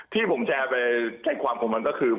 ที่ผมแชร์ไปแจ้งความของมันก็คือ